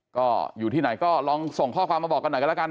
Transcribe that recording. ก็อยู่ที่ไหนก็ลองส่งข้อความมาบอกกันหน่อยกันแล้วกัน